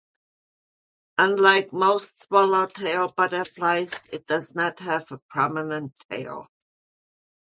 Unlike most swallowtail butterflies, it does not have a prominent tail.